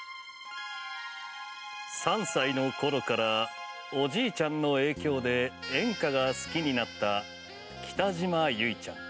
３歳の頃からおじいちゃんの影響で演歌が好きになった北島由唯ちゃん。